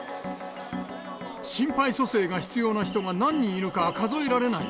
心肺蘇生が必要な人が何人いるか数えられない。